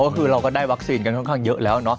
ก็คือเราก็ได้วัคซีนกันค่อนข้างเยอะแล้วเนาะ